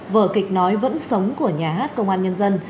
vở kịch nói vẫn sống của nhà hát công an nhân dân